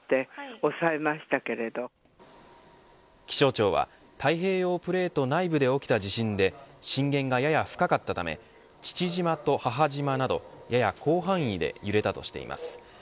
気象庁は太平洋プレート内部で起きた地震で震源がやや深かったため父島と母島などやや広範囲で揺れたとしています。